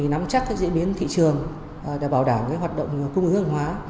nắm chắc các diễn biến thị trường để bảo đảm hoạt động cung ứng hàng hóa